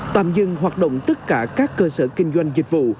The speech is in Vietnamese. tạm dừng hoạt động tất cả các cơ sở kinh doanh dịch vụ